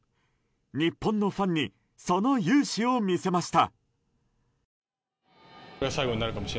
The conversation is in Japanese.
日本のファンにその雄姿を見せました。